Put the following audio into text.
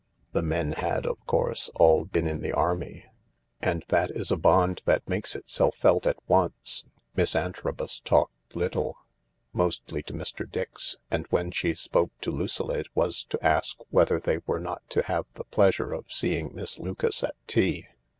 The men had, of course, all been in the army, and that is a bond that makes itself felt at once. Miss Antrobus talked little, mostly to Mr. ESx, and when she spoke to Lucilla it was to ask whether they were not to have the pleasure of seeing Miss Lucas at tea.